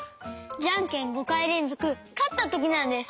ジャンケン５かいれんぞくかったときなんです！